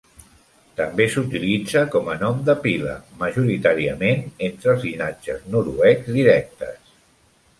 També s'utilitza com a nom de pila, majoritàriament entre els llinatges noruecs directes.